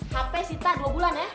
hp sita dua bulan ya